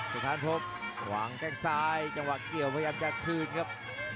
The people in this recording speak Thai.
สถานทบวางแข้งซ้ายจังหวะเกี่ยวพยายามจะคืนครับ